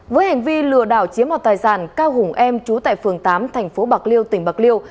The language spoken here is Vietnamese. với hành vi lừa đảo chiếm mọt tài sản cao hùng em trú tại phường tám thành phố bạc liêu tỉnh bạc liêu